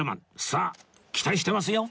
さあ期待してますよ！